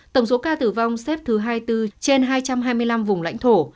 tổng số ca tử vong xếp thứ hai mươi bốn trên hai trăm hai mươi năm vùng lãnh thổ